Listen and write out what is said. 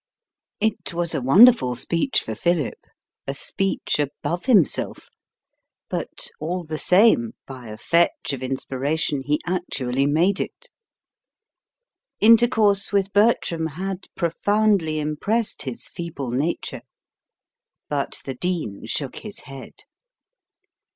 It was a wonderful speech for Philip a speech above himself; but, all the same, by a fetch of inspiration he actually made it. Intercourse with Bertram had profoundly impressed his feeble nature. But the Dean shook his head.